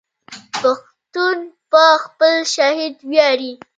پښتون په خپل شهید ویاړي.